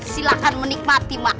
silakan menikmati mak